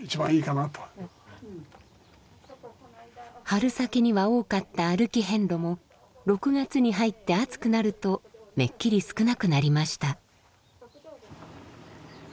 春先には多かった歩き遍路も６月に入って暑くなるとめっきり少なくなりました。